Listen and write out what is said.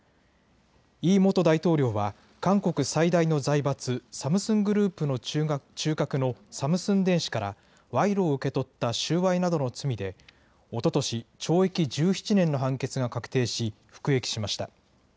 イ元大統領は韓国最大の財閥、サムスングループの中核のサムスン電子から賄賂を受け取った収賄などの罪でおととし懲役１７年の判決が確定し、服役しました。